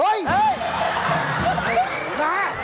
เฮ่ยเอ้ยเฮ้ย